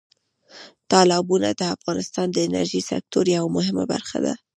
تالابونه د افغانستان د انرژۍ سکتور یوه برخه ده.